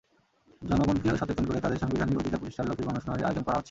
জনগণকে সচেতন করে তাদের সাংবিধানিক অধিকার প্রতিষ্ঠার লক্ষ্যে গণশুনানির আয়োজন করা হচ্ছে।